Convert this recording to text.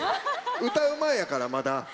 歌う前だから、まだ！